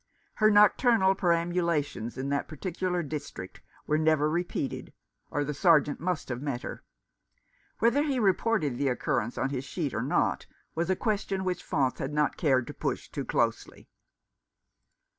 Her nocturnal perambulations in that particular district were never repeated, or the Sergeant must have met her. Whether he reported the occurrence on his sheet, or not, was a question which Faunce had not cared to push too closely.